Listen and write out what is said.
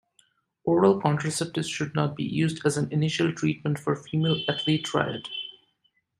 Oral contraceptives should not be used as an initial treatment for female athlete triad.